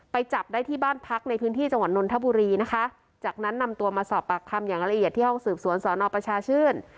จับได้ที่บ้านพักในพื้นที่จังหวัดนนทบุรีนะคะจากนั้นนำตัวมาสอบปากคำอย่างละเอียดที่ห้องสืบสวนสอนอประชาชื่น